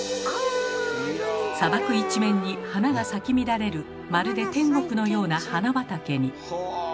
砂漠一面に花が咲き乱れるまるで天国のような花畑に。